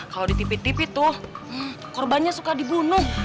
kalau ditipit tipit tuh korbannya suka dibunuh